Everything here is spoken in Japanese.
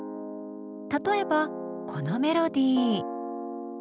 例えばこのメロディー。